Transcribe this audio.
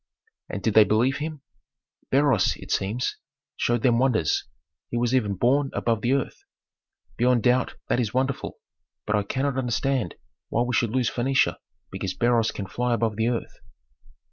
"And did they believe him?" "Beroes, it seems, showed them wonders. He was even borne above the earth. Beyond doubt that is wonderful; but I cannot understand why we should lose Phœnicia because Beroes can fly above the earth."